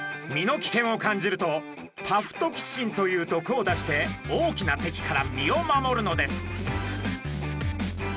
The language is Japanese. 身の危険を感じるとパフトキシンという毒を出して大きな敵から身を守るのです。